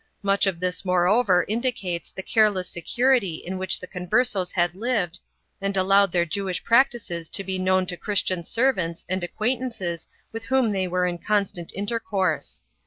Much of this moreover indicates the careless security in which the Converses had lived and allowed their Jewish practices to be known to Christian servants and acquaint ances with whom they were in constant intercourse.